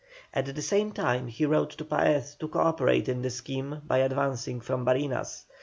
At the same time he wrote to Paez to co operate in the scheme by advancing from Barinas.